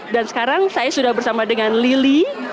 dan sekarang saya sudah bersama dengan lili